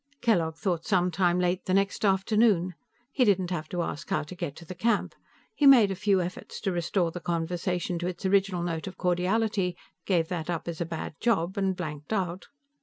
Kellogg thought some time late the next afternoon. He didn't have to ask how to get to the camp. He made a few efforts to restore the conversation to its original note of cordiality, gave that up as a bad job and blanked out.